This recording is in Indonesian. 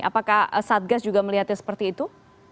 apakah satgas juga melihatnya seperti itu